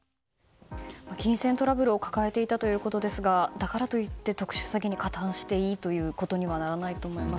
金銭トラブルを抱えていたということですがだからと言って特殊詐欺に加担していいということにはならないと思います。